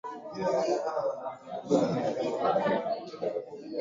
mashirika ya umma serikali yasio ya kiserikali tunasema ya kwamba